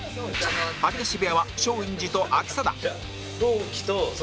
吐き出し部屋は松陰寺と秋定